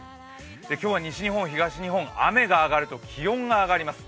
今日は西日本、東日本、雨が上がると気温が上がります。